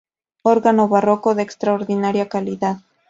Órgano barroco de extraordinaria calidad.